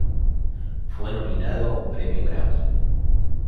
Fue nominado a un premio Grammy.